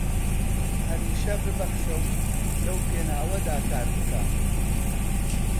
هەمیشە ببەخشە و لەو پێناوەدا کار بکە